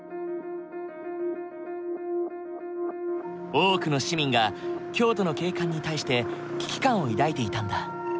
多くの市民が京都の景観に対して危機感を抱いていたんだ。